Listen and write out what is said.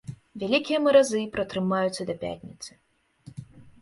Вялікія маразы пратрымаюцца да пятніцы.